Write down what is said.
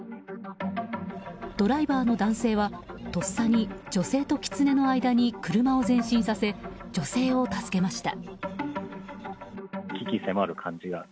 ドライバーの男性はとっさに、女性とキツネの間に車を前進させ、女性を助けました。